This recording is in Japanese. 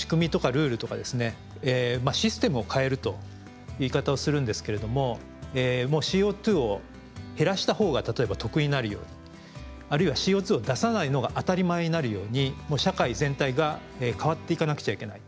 システムを変えるという言い方をするんですけれどもＣＯを減らしたほうが例えば得になるようにあるいはＣＯを出さないのが当たり前になるように社会全体が変わっていかなくちゃいけない。